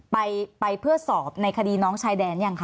ไปเพื่อสอบในคดีน้องชายแดนยังคะ